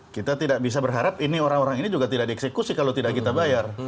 kita tidak bisa berharap ini orang orang ini juga tidak dieksekusi kalau tidak kita bayar